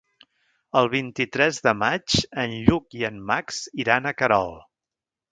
El vint-i-tres de maig en Lluc i en Max iran a Querol.